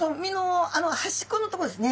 あのはしっこのところですね。